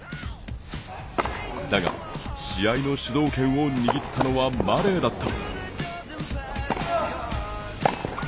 だが、試合の主導権を握ったのはマレーだった。